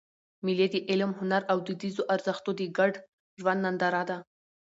مېلې د علم، هنر او دودیزو ارزښتو د ګډ ژوند ننداره ده.